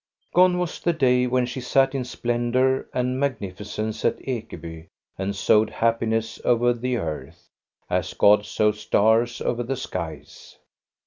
Gone was the day when she sat in splendor and magnificence at Ekeby and sowed happiness over the earth, as God sows stars over the skies.